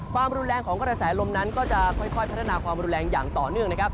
ความรุนแรงของกระแสลมนั้นก็จะค่อยพัฒนาความรุนแรงอย่างต่อเนื่องนะครับ